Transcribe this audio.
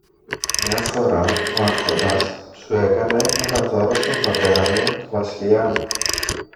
Μια φορά ο Άρχοντας σου έκανε ένα δώρο στον πατέρα μου, το Βασιλιά.